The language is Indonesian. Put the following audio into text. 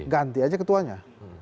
ganti aja ketuanya